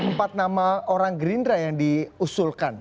kenapa harus empat nama orang gerindra yang diusulkan